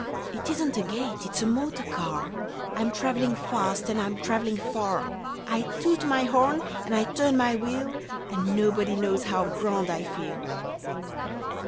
"It isn't a gate; it's a motor car! I'm travelling fast and I'm travelling far. I toot my horn and I turn my wheel, And nobody knows how grand I feel!"